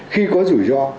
khi có rủi ro